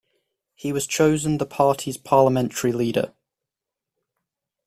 He was chosen the party's parliamentary leader.